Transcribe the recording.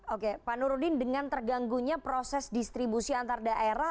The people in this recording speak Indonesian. oke pak nurudin dengan terganggunya proses distribusi antar daerah